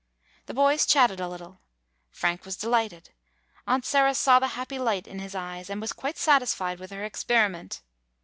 The boys chatted a little. Frank was de lighted. Aunt Sarah saw the happy light in his eyes, and was quite satisfied with her ex periment.